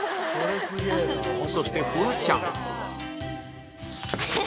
そしてフワちゃん